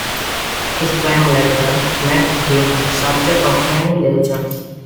His fame later made him the subject of many legends.